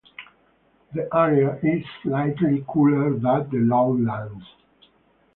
The area is slightly cooler that the lowlands.